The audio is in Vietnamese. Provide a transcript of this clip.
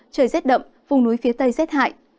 trời rét đậm vùng núi phía tây rét hại